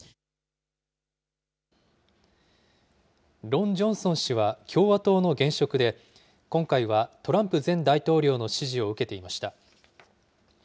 ロン・ジョンソン氏は、共和党の現職で、今回はトランプ前大統領の支持を受けていました。